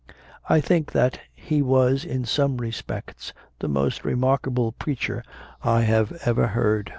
I think that he was in some respects the most remarkable preacher I have ever heard.